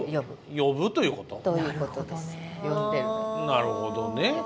なるほどね。